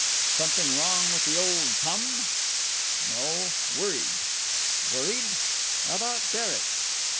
"Something wrong with the old tum?" "No.... Worried." "Worried?" "About Derek."